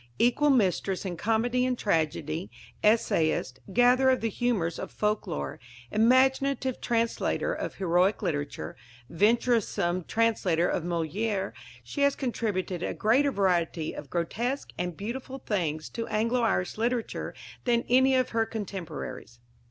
Equal mistress in comedy and tragedy, essayist, gatherer of the humours of folk lore, imaginative translator of heroic literature, venturesome translator of Molière, she has contributed a greater variety of grotesque and beautiful things to Anglo Irish literature than any of her contemporaries.